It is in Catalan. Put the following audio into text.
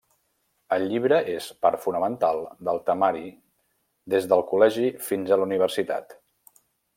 El llibre és part fonamental del temari des del col·legi fins a la universitat.